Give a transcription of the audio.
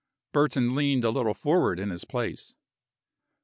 Burton leaned a little forward in his place.